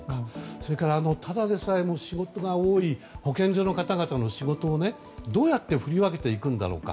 それからただでさえ仕事が多い保健所の方々の仕事をどうやって振り分けていくんだろうか。